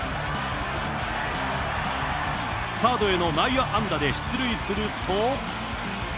サードへの内野安打で出塁すると。